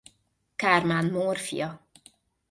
Kármán Mór fia.